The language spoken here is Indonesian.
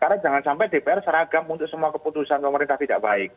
karena jangan sampai dpr seragam untuk semua keputusan pemerintah tidak baik